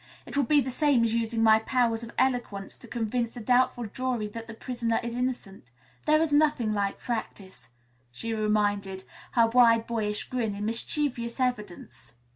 It will be the same as using my powers of eloquence to convince a doubtful jury that the prisoner is innocent. There is nothing like practice," she reminded, her wide, boyish grin in mischievous evidence.